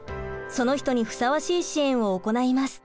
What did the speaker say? その人にふさわしい支援を行います。